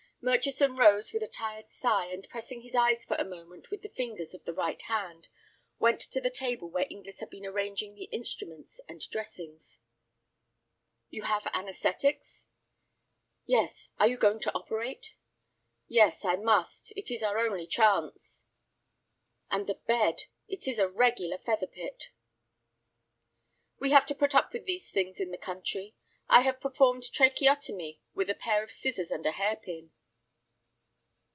Murchison rose with a tired sigh, and pressing his eyes for a moment with the fingers of his right hand, went to the table where Inglis had been arranging the instruments and dressings. "You have anæsthetics?" "Yes. Are you going to operate?" "Yes, I must. It is our only chance." "And the bed, it is a regular feather pit." "We have to put up with these things in the country. I have performed tracheotomy with a pair of scissors and a hair pin."